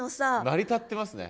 成り立ってますね。